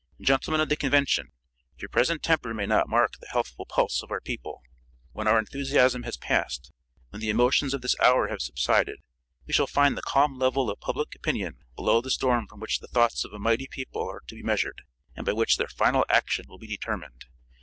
Gentlemen of the convention, your present temper may not mark the healthful pulse of our people. When our enthusiasm has passed, when the emotions of this hour have subsided, we shall find the calm level of public opinion below the storm from which the thoughts of a mighty people are to be measured, and by which their final action will be determined.